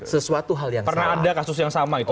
sesuatu hal yang pernah ada kasus yang sama itu